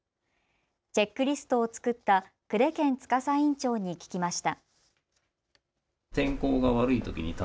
チェックリストを作った久手堅司院長に聞きました。